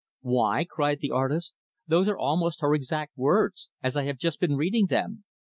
"Why," cried the artist, "those are almost her exact words as I have just been reading them!"